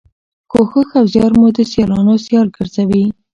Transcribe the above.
کوښښ او زیار مو د سیالانو سیال ګرځوي.